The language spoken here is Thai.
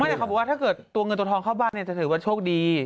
แต่เขาบอกว่าถ้าเกิดตัวเงินตัวทองเข้าบ้านจะถือว่าโชคดี